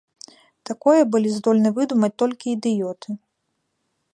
Такое былі здольны выдумаць толькі ідыёты.